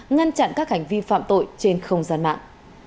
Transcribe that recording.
ngăn chặn các hành vi phạm tội trên không gian mạng